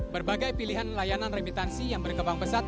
berbagai pilihan layanan remitansi yang berkembang pesat